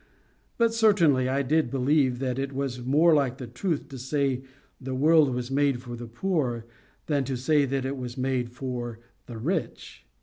But certainly I did believe that it was more like the truth to say the world was made for the poor than to say that it was made for the rich.